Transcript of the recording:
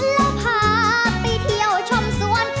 แล้วพาไปเที่ยวชมสวน